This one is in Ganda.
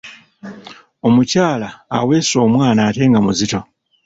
Omukyala aweese omwana ate nga muzito.